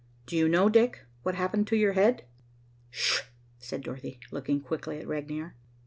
"Do you know, Dick, what happened to your head?" "Sh," said Dorothy, looking quickly at Regnier.